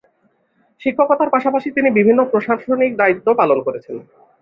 শিক্ষকতার পাশাপাশি তিনি বিভিন্ন প্রশাসনিক দায়িত্ব পালন করেছেন।